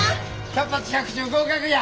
百発百中合格や！